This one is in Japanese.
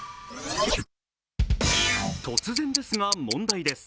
突然ですが、問題です。